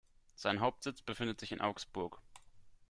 Sein Hauptsitz befindet sich in Augsburg.